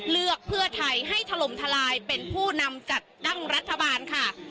เลือกเพื่อไทยให้ถล่มทลายเป็นผู้นำจัดตั้งรัฐบาลค่ะ